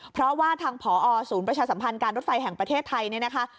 เพราะว่าทางผอศูนย์ประชาสัมพันธ์การรถไฟแห่งประเทศไทยเนี่ยนะคะ